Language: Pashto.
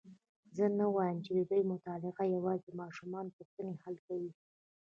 زه نه وایم چې ددې مطالعه یوازي د ماشومانو پوښتني حل کوي.